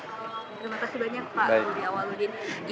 terima kasih banyak pak rudi awaludin